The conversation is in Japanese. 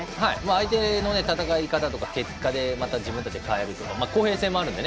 相手の戦い方とか結果で自分たちを変えるとか公平性もあるので。